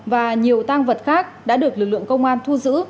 và nhiều tăng vật khác đã được lực lượng công an thu giữ